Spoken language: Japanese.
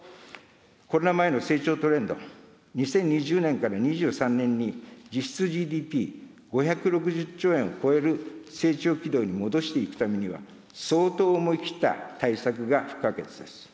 コロナ前の成長トレンド、２０２０年から２３年に実質ＧＤＰ５６０兆円を超える成長軌道に戻していくためには、相当思い切った対策が不可欠です。